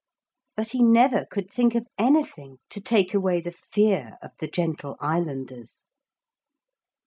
But he never could think of anything to take away the fear of the gentle islanders.